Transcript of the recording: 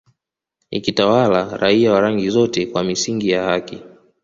ikitawala raia wa rangi zote kwa misingi ya haki